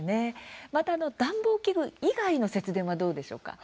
また暖房器具以外の節電はどうでしょうか？